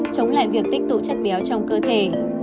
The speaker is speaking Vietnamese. chống lại việc tích tụ chất béo trong cơ thể